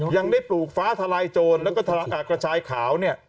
ยังได้ปลูกฟ้าทลายโจรแล้วก็กระชายขาวเนี่ย